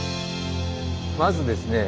まずですね